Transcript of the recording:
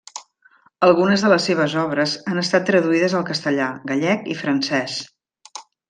Algunes de les seves obres han estat traduïdes al castellà, gallec i francès.